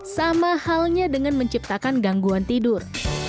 sama halnya dengan menciptakan gangguan tidur